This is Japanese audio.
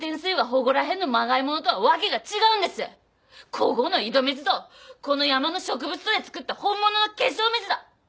ここの井戸水とこの山の植物とで作った本物の化粧水だ。